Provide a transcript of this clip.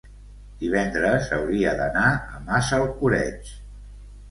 divendres hauria d'anar a Massalcoreig.